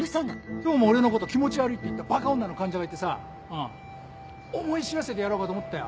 今日も俺のこと気持ち悪いって言ったバカ女の患者がいてさ思い知らせてやろうかと思ったよ